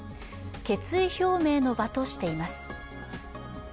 決意表明の場としています。